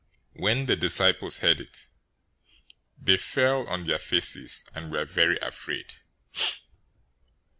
017:006 When the disciples heard it, they fell on their faces, and were very afraid.